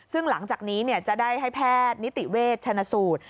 ซึ่งหลังจากนี้จะได้ให้แพทย์นิติเวชชนะสูตร